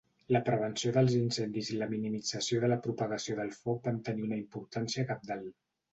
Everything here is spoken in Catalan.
La prevenció dels incendis i la minimització de la propagació del foc van tenir una importància cabdal.